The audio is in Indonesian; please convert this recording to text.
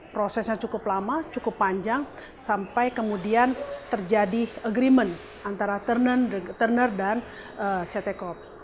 prosesnya cukup lama cukup panjang sampai kemudian terjadi agreement antara turner dan ct corp